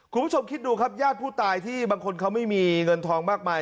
คุณผู้ชมคิดดูครับญาติผู้ตายที่บางคนเขาไม่มีเงินทองมากมาย